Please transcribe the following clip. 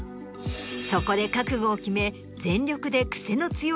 そこで覚悟を決め。